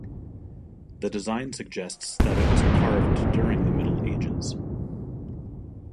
The design suggests that it was carved during the Middle Ages.